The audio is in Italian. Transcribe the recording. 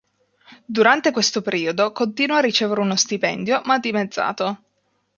Durante questo periodo, continua a ricevere uno stipendio, ma dimezzato.